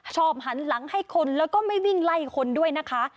หันหลังให้คนแล้วก็ไม่วิ่งไล่คนด้วยนะคะ